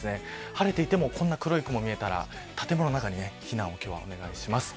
晴れていてもこんな黒い雲が見えたら建物の中に避難をお願いします。